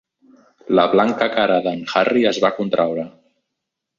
La blanca cara d'en Harry es va contraure.